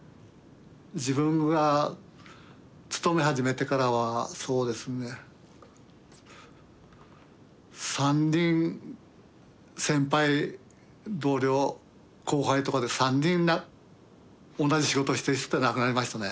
自分が勤め始めてからはそうですね３人先輩同僚後輩とかで３人同じ仕事してる人が亡くなりましたね。